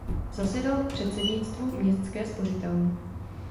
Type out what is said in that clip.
Zasedal v předsednictvu městské spořitelny.